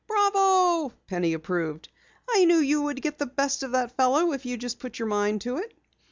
"Bravo," Penny approved. "I knew you could get the best of that fellow if you just put your mind to it."